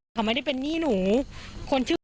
ก็กลายเป็นว่าติดต่อพี่น้องคู่นี้ไม่ได้เลยค่ะ